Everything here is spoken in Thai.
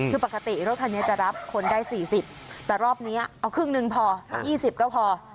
คือปกติรถคันนี้จะรับคนได้๔๐แต่รอบนี้เอาครึ่งหนึ่งพอ๒๐ก็พอ